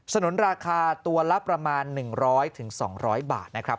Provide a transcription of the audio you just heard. นุนราคาตัวละประมาณ๑๐๐๒๐๐บาทนะครับ